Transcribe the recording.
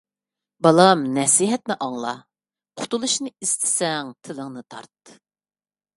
بالام نەسىھەتنى ئاڭلا، قۇتۇلۇشنى ئىستىسەڭ، تىلىڭنى تارت.